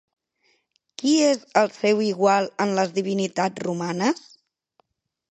Qui és el seu igual en les divinitats romanes?